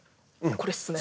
これっすね。